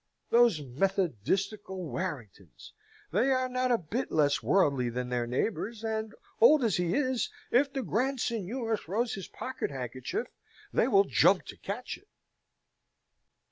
those methodistical Warringtons! They are not a bit less worldly than their neighbours; and, old as he is, if the Grand Seignior throws his pocket handkerchief, they will jump to catch it!"